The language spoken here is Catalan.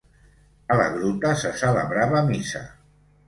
A la gruta se celebrava missa.